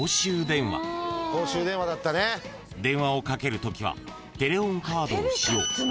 ［電話をかけるときはテレホンカードを使用］